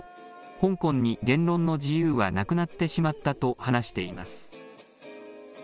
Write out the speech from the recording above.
香港に言論の自由はなくなってしまったと話しています。